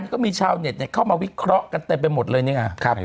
ก็มีชาวเน็ตเข้ามาวิเคราะห์กันเต็มไปหมดเลยนี่ไง